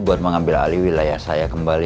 buat mengambil alih wilayah saya kembali